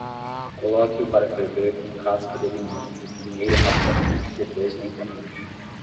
Coloque-o para ferver com casca de limão, primeiro rapidamente e depois lentamente.